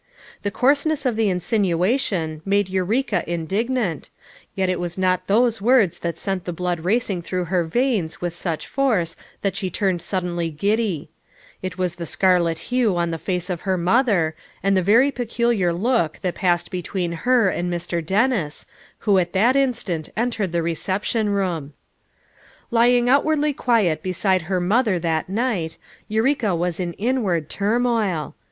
The coarseness of the insinuation made Eureka in dignant, yet it was not those words that sent FOUR MOTHERS AT CHAUTAUQUA 383 Hie blood racing through her veins with such force that she turned suddenly giddy; it was the scarlet hue on the face of her mother, and the very peculiar look that passed between her and Mr. Dennis, who at that instant entered the reception room. Lying outwardly quiet beside her mother that night, Eureka was in inward turmoil.